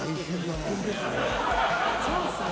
そうっすね。